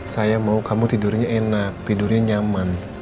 saya mau kamu tidurnya enak tidurnya nyaman